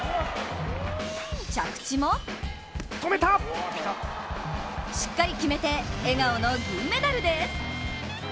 着地もしっかり決めて、笑顔の銀メダルです。